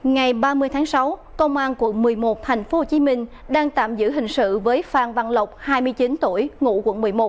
ngày ba mươi tháng sáu công an quận một mươi một tp hcm đang tạm giữ hình sự với phan văn lộc hai mươi chín tuổi ngụ quận một mươi một